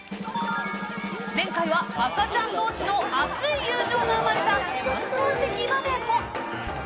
前回は赤ちゃん同士の熱い友情が生まれた感動的場面も。